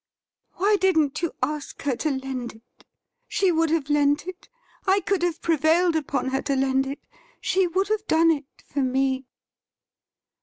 ' Why didn't you ask her to lend it .? She would have lent it. I could have prevailed upon her to lend it. She would have done it for me.'